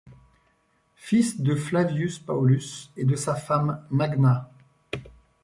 Fils de Flavius Paulus et de sa femme Magna.